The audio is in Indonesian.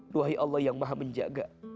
duhai allah yang maha menjaga